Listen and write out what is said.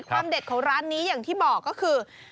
เด็ดของร้านนี้อย่างที่บอกก็คือ